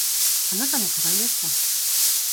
あなたも課題ですか。